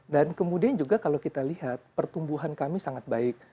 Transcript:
kemudian juga kalau kita lihat pertumbuhan kami sangat baik